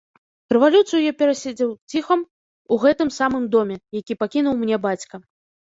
Рэвалюцыю я пераседзеў ціхом у гэтым самым доме, які пакінуў мне бацька.